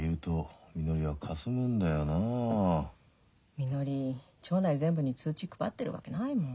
みのり町内全部に通知配ってるわけないもん。